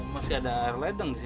masih ada air ledeng di sini